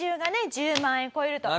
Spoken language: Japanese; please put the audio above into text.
１０万円超えると。